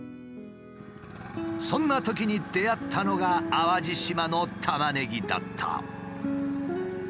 そんなときに出会ったのが淡路島のタマネギだった。